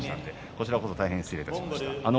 こちらこそ失礼しました。